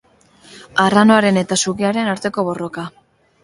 Arranoaren eta sugearen arteko borroka.